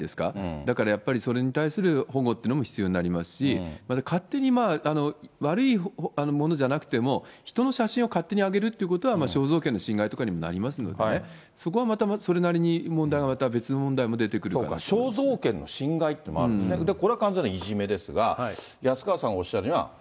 だからやっぱり、それに対する保護っていうのも必要になりますし、また勝手に、悪いものじゃなくても、人の写真を勝手に上げるというのは肖像権の侵害とかにもなりますのでね、そこはそれなりに問題が、また別の問題も出てくるということになそうか、肖像権の侵害ということもあるんですね、これは完全ないじめですが、安川さんがおっしゃるには。